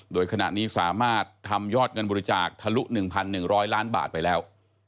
โดยขณะนี้สามารถทำยอดเงินบริจาคทะลุ๑๑๐๐ล้านบาทไปแล้ว